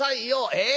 ええ？